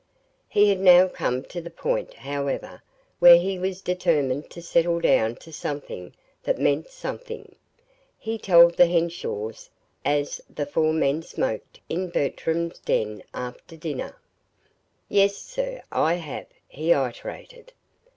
He had now come to the point, however, where he was determined to "settle down to something that meant something," he told the Henshaws, as the four men smoked in Bertram's den after dinner. "Yes, sir, I have," he iterated.